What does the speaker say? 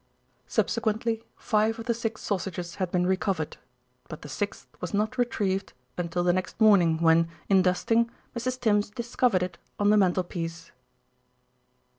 Subsequently five of the six sausages had been recovered; but the sixth was not retrieved until the next morning when, in dusting, Mrs. Tims discovered it on the mantelpiece.